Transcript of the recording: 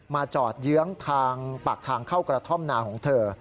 จอดเยื้องทางปากทางเข้ากระท่อมนาของเธอ